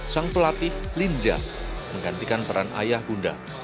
sang pelatih linja menggantikan peran ayah bunda